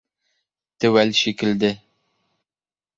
Теүәл шикелде.